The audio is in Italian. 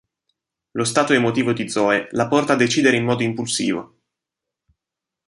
Lo stato emotivo di Zoe la porta a decidere in modo impulsivo.